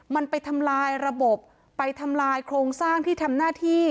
มันไปทำลายระบบไปทำลายโครงสร้างที่ทำหน้าที่